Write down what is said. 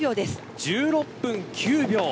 １６分９秒。